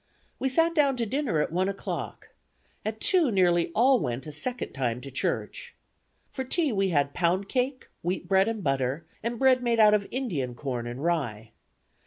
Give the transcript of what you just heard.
We sat down to dinner at one o'clock. At two nearly all went a second time to church. For tea we had pound cake, wheat bread and butter, and bread made out of Indian corn and rye.